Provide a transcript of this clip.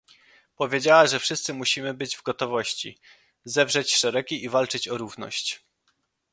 Powiedziała, że wszyscy musimy być w gotowości, zewrzeć szeregi i walczyć o równość